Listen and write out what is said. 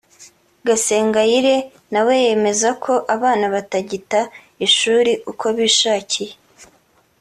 Gasengayire nawe yemeza ko abana batagita ishuri uko bishakiye